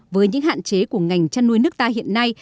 với những hạn chế của ngành chăn nuôi nước ta hiện nay